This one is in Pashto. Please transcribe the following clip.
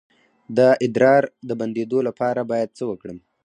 د ادرار د بندیدو لپاره باید څه وکړم؟